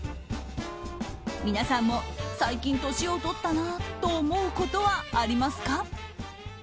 皆さんも、最近年を取ったなと思うことはありますか？